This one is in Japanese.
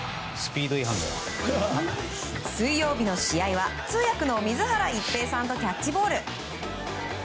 水曜日の試合は通訳の水原一平さんとキャッチボール。